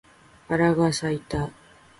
バラが咲いた